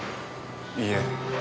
いいえ。